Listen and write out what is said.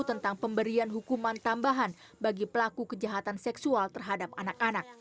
tentang pemberian hukuman tambahan bagi pelaku kejahatan seksual terhadap anak anak